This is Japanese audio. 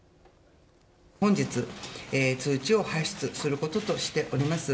本日通知を発出することとしております。